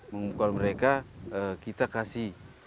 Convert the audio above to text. mengumpulkan mereka kita kasih